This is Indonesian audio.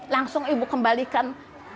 langsung ibu kembalikan